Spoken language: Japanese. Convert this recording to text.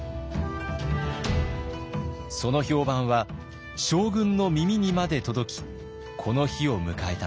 その評判は将軍の耳にまで届きこの日を迎えたのです。